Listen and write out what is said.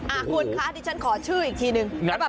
คุณคะดิฉันขอชื่ออีกทีนึง